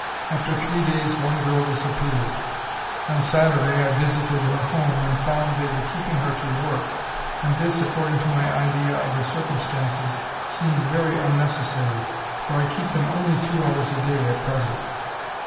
After three days one girl disappeared. On Saturday I visited her home and found they were keeping her to work, and this, according to my idea of the circumstances, seemed very unnecessary, for I keep them only two hours a day at present.